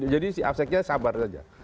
jadi si abseknya sabar aja